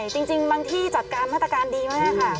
จริงบางที่จัดการมาตรการดีมากค่ะ